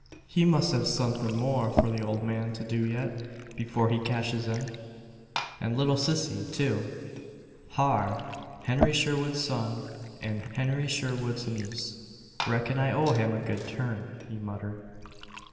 "He must have suthin' more for the old man to do yet, before he cashes in. And little Sissy, too. Har! Henry Sherwood's son and Henry Sherwood's niece. Reckon I owe him a good turn," he muttered.